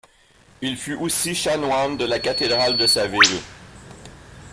Il fut aussi chanoine de la cathédrale de sa ville.